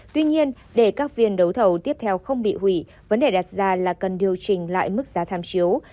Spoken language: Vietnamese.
tuy nhiên để các phiên đấu thầu tiếp theo không bị hủy vấn đề đặt ra là cần điều chỉnh lại mức giá tham chiếu